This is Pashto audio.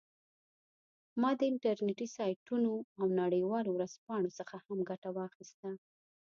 ما د انټرنیټي سایټونو او نړیوالو ورځپاڼو څخه هم ګټه واخیسته